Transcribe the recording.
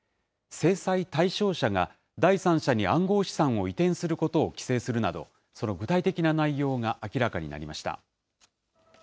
制裁対象者が第三者に暗号資産を移転することを規制するなど、その具体的な内容が明らかになりました。